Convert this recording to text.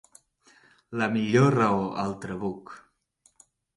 La millor raó: el trabuc.